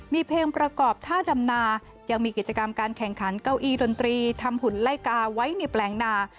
มีเพลงประกอบท่าดำนายังมีกิจกรรมการแข่งขันเก้าอี้ดนตรีทำหุ่นไล่กาไว้ในแปลงนา